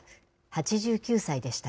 ８９歳でした。